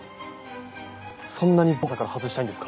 そんなに僕を捜査から外したいんですか？